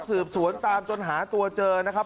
สืบสวนตามจนหาตัวเจอนะครับ